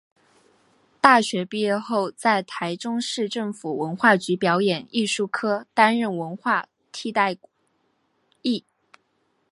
大学毕业后在台中市政府文化局表演艺术科担任文化替代役。